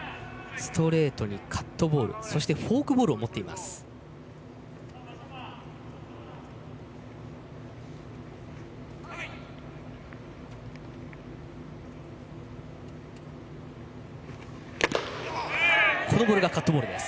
ストレートにカットボールそしてフォークボールを持っているマウンド上の板東です。